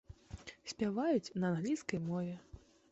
Спяваюць на англійскай мове.